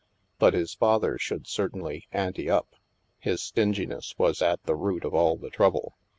But his father should certainly "ante up." His stinginess was at the root of all the trouble.